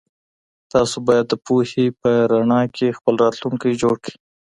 تاسو بايد د پوهي په رڼا کي خپل راتلونکی جوړ کړئ.